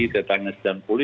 tetangis dan puli